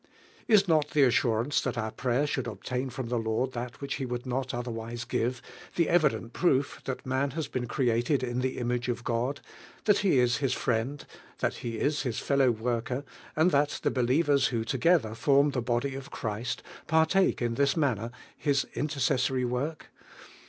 Is not the assurance that our prayer should obtain from the Lord that which He would nol otherwise give, the evident proof ili; ii man has been created in the image oi God, that he is His friend, Iha l lie is Hie fellow worker, and that the believers who together form the Body of Christ, pnn;iki in this manner His intercessory work?